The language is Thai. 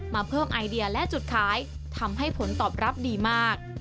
เพิ่มไอเดียและจุดขายทำให้ผลตอบรับดีมาก